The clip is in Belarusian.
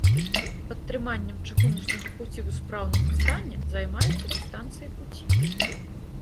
Падтрыманнем чыгуначнага пуці ў спраўным стане займаюцца дыстанцыі пуці.